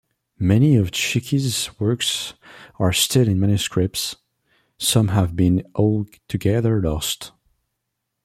Many of Cheke's works are still in manuscript: some have been altogether lost.